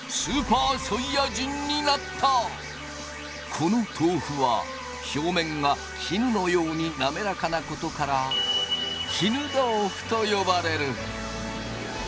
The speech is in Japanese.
この豆腐は表面が絹のように滑らかなことから絹豆腐と呼ばれる。